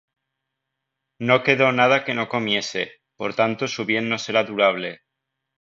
No quedó nada que no comiese: Por tanto su bien no será durable.